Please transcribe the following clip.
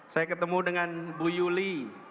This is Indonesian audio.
saya ketemu dengan bu yuli